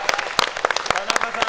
田中さん